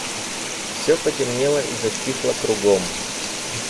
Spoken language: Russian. Все потемнело и затихло кругом.